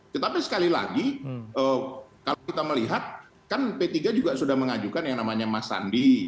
tetapi sekali lagi kalau kita melihat kan p tiga juga sudah mengajukan yang namanya mas sandi